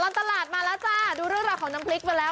ตลาดมาแล้วจ้าดูเรื่องราวของน้ำพริกมาแล้ว